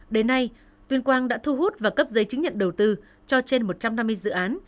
đến nay tuyên quang đã thu hút và cấp giấy chứng nhận đầu tư cho trên một trăm năm mươi dự án